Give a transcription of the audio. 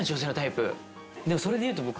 それでいうと僕。